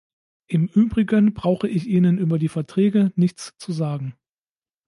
Im übrigen brauche ich Ihnen über die Verträge nichts zu sagen.